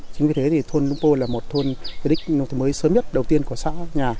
chính vì thế thôn lũng pô là một thôn đích nông thôn mới sớm nhất đầu tiên của xã nhà